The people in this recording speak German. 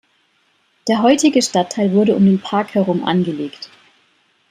Der heutige Stadtteil wurde um den Park herum angelegt.